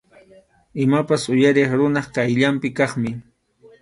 Imapas uyariq runap qayllanpi kaqmi.